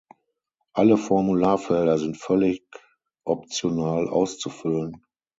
Alle Formularfelder sind völlig optional auszufüllen.